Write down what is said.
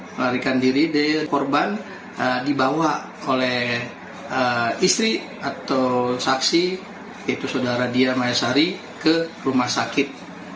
melarikan diri korban dibawa oleh istri atau saksi yaitu saudara dia mayasari ke rumah sakit